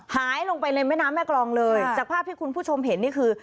หายลงไปในแม่น้ำแม่กรองเลยจากภาพที่คุณผู้ชมเห็นนี่คือ